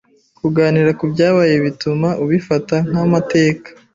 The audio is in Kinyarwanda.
Kuganira ku byabaye bituma ubifata nk’amateka